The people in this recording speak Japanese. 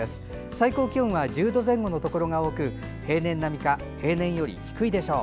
最高気温は１０度前後のところが多く平年並みか平年より低いでしょう。